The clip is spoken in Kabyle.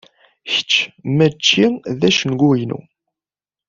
Kečč mačči d acengu-inu.